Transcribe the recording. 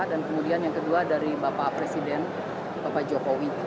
dan kemudian yang kedua dari bapak presiden bapak jokowi